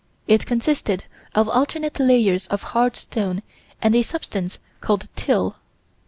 It consisted of alternate layers of hard stone and a substance called "till."